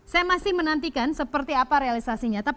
saya masih menantikan seperti apa realisasinya